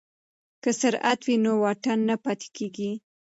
که سرعت وي نو واټن نه پاتې کیږي.